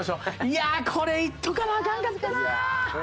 いやあこれいっとかなアカンかったな。